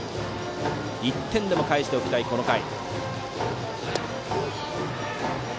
１点でも返しておきたい、この回。